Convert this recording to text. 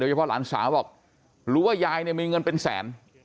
เฉพาะหลานสาวบอกรู้ว่ายายเนี่ยมีเงินเป็นแสน